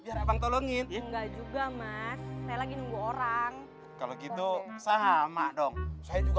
biar abang tolongin ya enggak juga mas saya lagi nunggu orang kalau gitu sama dong saya juga